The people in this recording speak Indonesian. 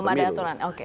belum ada aturan oke